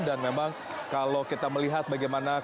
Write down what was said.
dan memang kalau kita melihat bagaimana kondisi